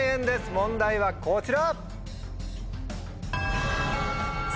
問題はこちら。